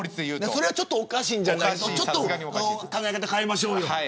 それはちょっとおかしいとちょっと考え方変えましょうよと。